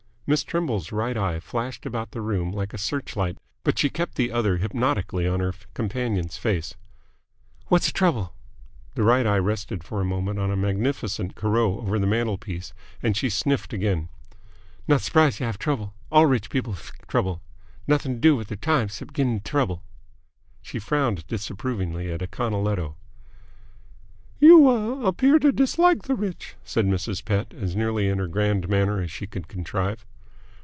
Miss Trimble's right eye flashed about the room like a searchlight, but she kept the other hypnotically on her companion's face. "Whass trouble?" The right eye rested for a moment on a magnificent Corot over the mantelpiece, and she snifted again. "Not s'prised y'have trouble. All rich people 've trouble. Noth' t'do with their time 'cept get 'nto trouble." She frowned disapprovingly at a Canaletto. "You ah appear to dislike the rich," said Mrs. Pett, as nearly in her grand manner as she could contrive.